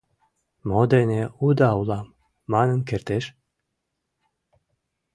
Мо дене уда улам?» манын кертеш.